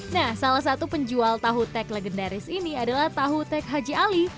nah salah satu penjual tahu tek legendaris ini adalah tahu tek haji ali